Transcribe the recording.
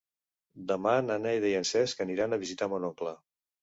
Demà na Neida i en Cesc aniran a visitar mon oncle.